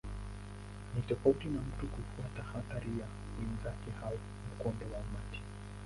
Ni tofauti na mtu kufuata athari ya wenzake au mkondo wa umati.